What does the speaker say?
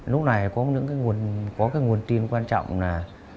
lúc này có những nguồn tin quan trọng là